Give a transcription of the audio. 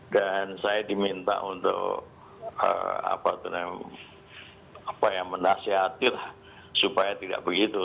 dan saya diminta untuk apa itu namanya apa yang menasihati supaya tidak begitu